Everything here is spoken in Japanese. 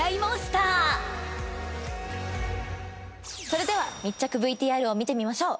それでは密着ＶＴＲを見てみましょう。